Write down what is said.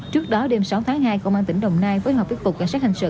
trước đó đêm sáu tháng hai công an tỉnh đồng nai với họp viết tục cảnh sát hành sự